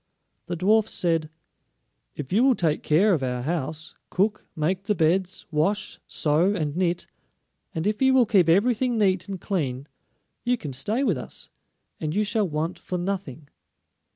The dwarfs said: "If you will take care of our house, cook, make the beds, wash, sew, and knit; and if you will keep everything neat and clean, you can stay with us, and you shall want for nothing."